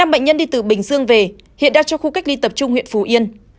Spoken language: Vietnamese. năm bệnh nhân đi từ bình dương về hiện đang trong khu cách ly tập trung huyện phù yên